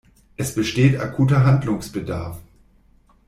Es besteht akuter Handlungsbedarf.